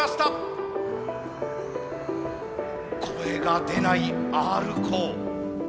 声が出ないＲコー。